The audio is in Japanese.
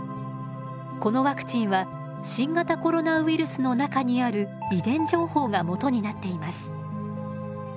このワクチンは新型コロナウイルスの中にある遺伝情報がもとになっています。